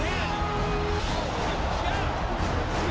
หยุดไว้